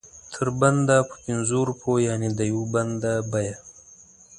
تر بنده په پنځو روپو یعنې د یو بند بیه.